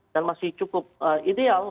dan masih cukup ideal